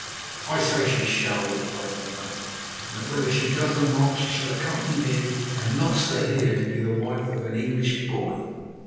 "I say she shall," replied Marais; "and that whether she does or not, she shall accompany me and not stay here to be the wife of an English boy."